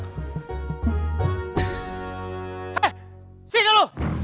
eh sini dulu